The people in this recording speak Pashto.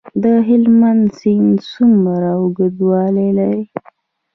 د هلمند سیند څومره اوږدوالی لري؟